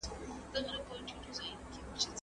ته کله کتابتون ته ځې.